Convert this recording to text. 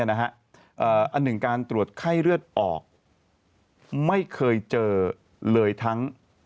อันหนึ่งการตรวจไข้เลือดออกไม่เคยเจอเลยทั้ง